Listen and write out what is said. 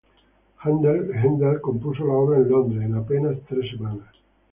Händel compuso la obra en Londres, en apenas tres semanas.